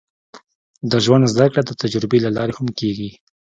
د ژوند زده کړه د تجربې له لارې هم کېږي.